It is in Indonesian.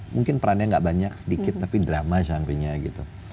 mungkin perannya gak banyak sedikit tapi drama juandainya gitu